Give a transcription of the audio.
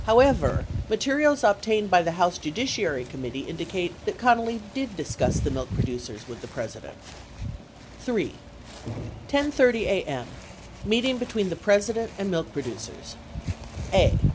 79 However, materials obtained by the House Judiciary Committee indicate that Connally did discuss the milk producers with the President. 80 3. 10:30 A.M. MEETING BETWEEN THE PRESIDENT AND MILK PRODUCERS a.